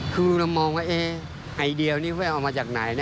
คือเรามองว่าไอเดียนี้แววเอามาจากไหนนะ